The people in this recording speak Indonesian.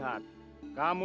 kamu telah menangkap aku